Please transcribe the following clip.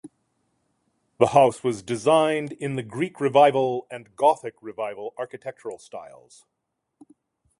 The house was designed in the Greek Revival and Gothic Revival architectural styles.